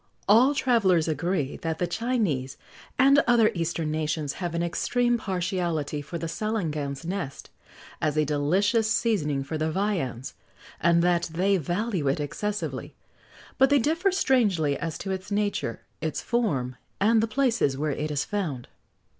[XX 103] All travellers agree that the Chinese, and other eastern nations, have an extreme partiality for the salangan's nest, as a delicious seasoning for their viands, and that they value it excessively; but they differ strangely as to its nature, its form, and the places where it is found.